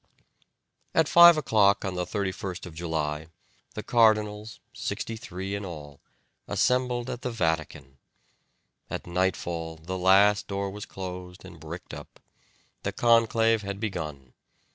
At five o'clock on the 31st of July the Cardinals, sixty three in all, assembled at the Vatican. At nightfall the last door was closed and bricked up; the conclave had begun.